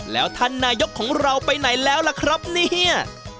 แล้วท่านนายกของเราไปไหนแล้วล่ะครับเนี่ย